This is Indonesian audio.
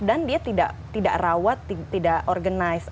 dan dia tidak rawat tidak organize